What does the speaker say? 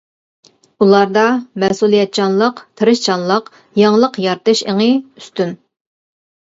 ئۇلاردا مەسئۇلىيەتچانلىق، تىرىشچانلىق، يېڭىلىق يارىتىش ئېڭى ئۈستۈن.